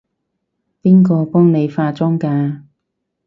邊個幫你化妝㗎？